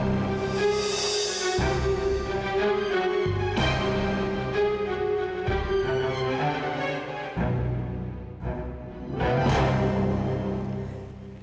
tolong renungkan semua yang mama katakan